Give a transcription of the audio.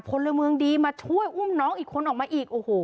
พลเมืองดีมาช่วยอุ้มน้องอีกคนออกมาอีกโอ้โห